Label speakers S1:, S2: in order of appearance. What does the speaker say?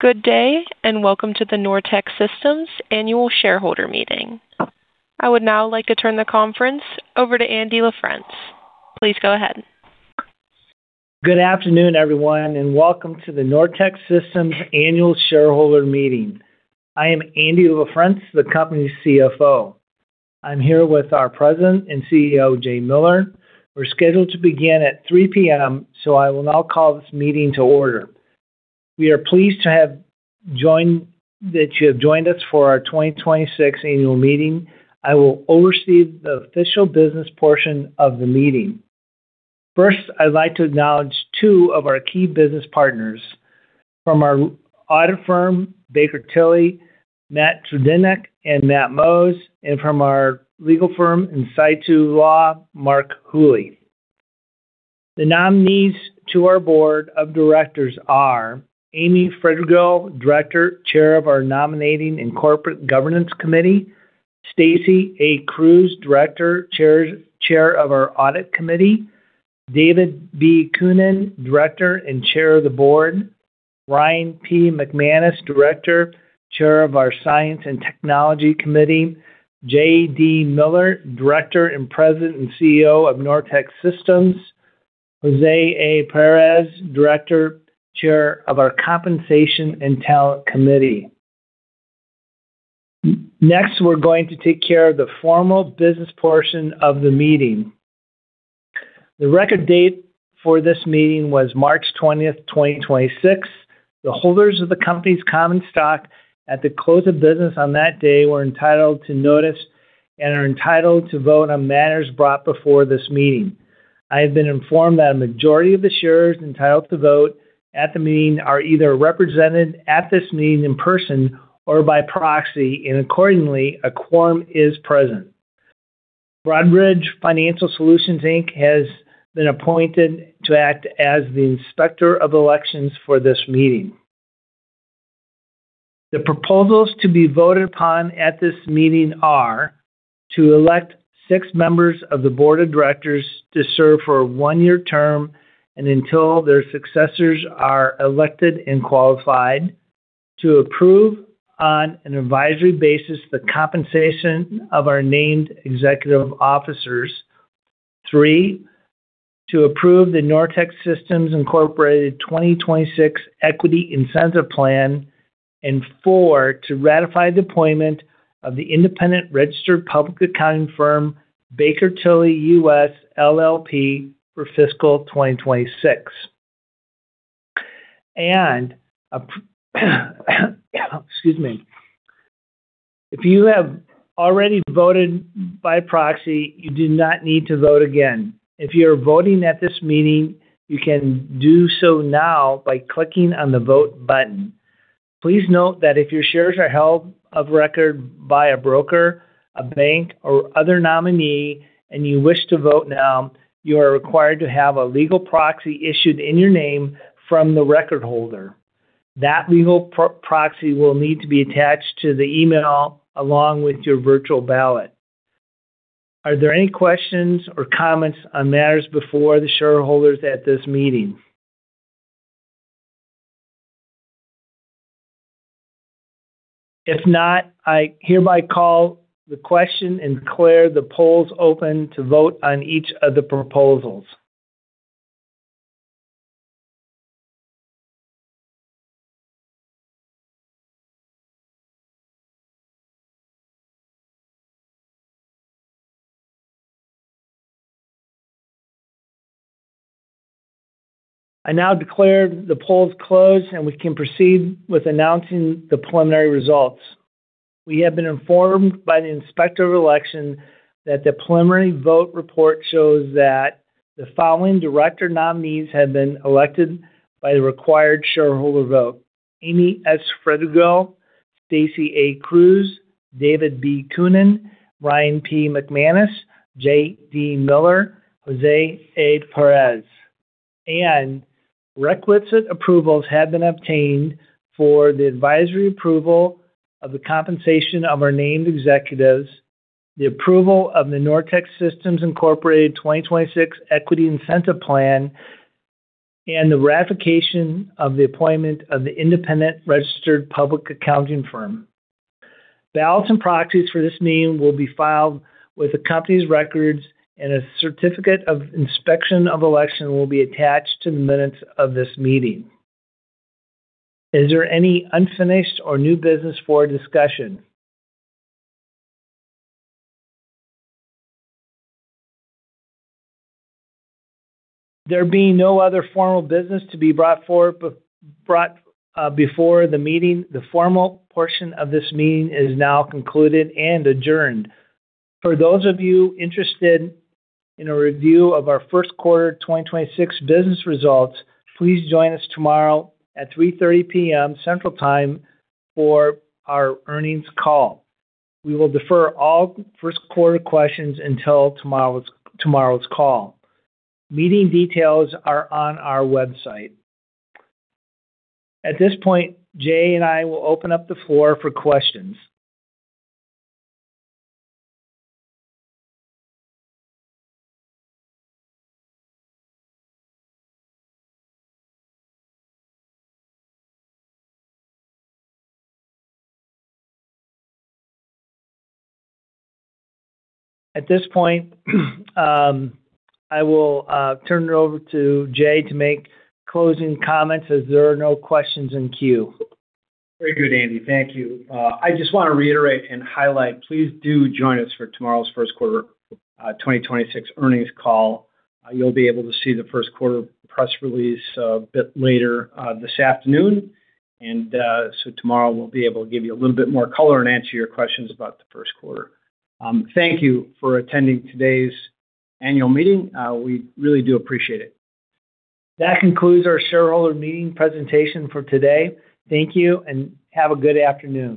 S1: Good day, and welcome to the Nortech Systems Annual Shareholder Meeting. I would now like to turn the conference over to Andy LaFrence. Please go ahead.
S2: Good afternoon, everyone, welcome to the Nortech Systems Annual Shareholder Meeting. I am Andy LaFrence, the company's CFO. I'm here with our President and CEO, Jay Miller. We're scheduled to begin at 3:00 P.M., I will now call this meeting to order. We are pleased that you have joined us for our 2026 annual meeting. I will oversee the official business portion of the meeting. First, I'd like to acknowledge two of our key business partners. From our audit firm, Baker Tilly, Matthew Tredinnick and Matt Mohs, and from our legal firm, Insitu Law, Mark Hooley. The nominees to our board of directors are Amy Fredregill, Director, Chair of our Nominating and Corporate Governance Committee. Stacy A. Kruse, Director, Chair of our Audit Committee. David B. Kunin, Director and Chair of the Board. Ryan P. McManus. Director, Chair of our Science and Technology Committee. J.D. Miller, Director and President and CEO of Nortech Systems. Jose A. Peris, Director, Chair of our Compensation and Talent Committee. Next, we're going to take care of the formal business portion of the meeting. The record date for this meeting was March 20th, 2026. The holders of the company's common stock at the close of business on that day were entitled to notice and are entitled to vote on matters brought before this meeting. I have been informed that a majority of the shareholders entitled to vote at the meeting are either represented at this meeting in person or by proxy, and accordingly, a quorum is present. Broadridge Financial Solutions, Inc. has been appointed to act as the inspector of elections for this meeting. The proposals to be voted upon at this meeting are: to elect six members of the board of directors to serve for a one-year term and until their successors are elected and qualified. To approve on an advisory basis the compensation of our named executive officers. Three, to approve the Nortech Systems Incorporated 2026 Equity Incentive Plan. Four, to ratify the appointment of the independent registered public accounting firm, Baker Tilly US, LLP, for fiscal 2026. Excuse me. If you have already voted by proxy, you do not need to vote again. If you are voting at this meeting, you can do so now by clicking on the Vote button. Please note that if your shares are held of record by a broker, a bank, or other nominee and you wish to vote now, you are required to have a legal proxy issued in your name from the record holder. That legal proxy will need to be attached to the email along with your virtual ballot. Are there any questions or comments on matters before the shareholders at this meeting? If not, I hereby call the question and declare the polls open to vote on each of the proposals. I now declare the polls closed, and we can proceed with announcing the preliminary results. We have been informed by the Inspector of Election that the preliminary vote report shows that the following director nominees have been elected by the required shareholder vote. Amy S. Fredregill, Stacy A. Kruse, David B. Kunin, Ryan P. McManus, J.D. Miller, Jose A. Peris. Requisite approvals have been obtained for the advisory approval of the compensation of our named executives, the approval of the Nortech Systems Incorporated 2026 Equity Incentive Plan, and the ratification of the appointment of the independent registered public accounting firm. Ballots and proxies for this meeting will be filed with the company's records, and a certificate of inspection of election will be attached to the minutes of this meeting. Is there any unfinished or new business for discussion? There being no other formal business to be brought before the meeting, the formal portion of this meeting is now concluded and adjourned. For those of you interested in a review of our first quarter 2026 business results, please join us tomorrow at 3:30 P.M. Central Time for our earnings call. We will defer all first-quarter questions until tomorrow's call. Meeting details are on our website. At this point, Jay and I will open up the floor for questions. At this point, I will turn it over to Jay to make closing comments, as there are no questions in queue.
S3: Very good, Andy. Thank you. I just wanna reiterate and highlight, please do join us for tomorrow's first quarter 2026 earnings call. You'll be able to see the first quarter press release a bit later this afternoon. Tomorrow we'll be able to give you a little bit more color and answer your questions about the first quarter. Thank you for attending today's annual meeting. We really do appreciate it.
S2: That concludes our shareholder meeting presentation for today. Thank you, and have a good afternoon.